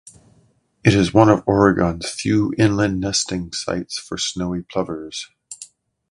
It is one of Oregon's few inland nesting sites for snowy plovers.